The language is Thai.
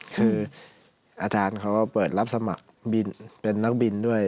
คืออาจารย์เขาก็เปิดรับสมัครเป็นนักบินด้วย